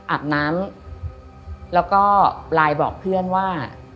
อาบน้ำแล้วก็ไลน์บอกเพื่อนว่า